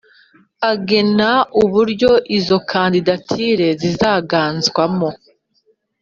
agena uburyo izo kandidatire zitangazwamo